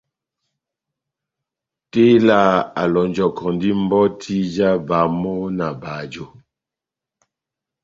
Tela a lonjɔkɔndi mbɔti ja bamo na bajo.